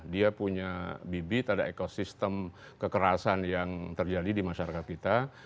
dia punya bibit ada ekosistem kekerasan yang terjadi di masyarakat kita